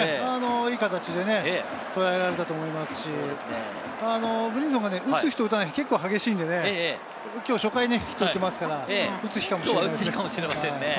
いい形でとらえられたと思いますし、ブリンソンが打つ日と打たない日、結構激しいんでね、今日初回ヒットを打っていますから、打つ日かもしれません。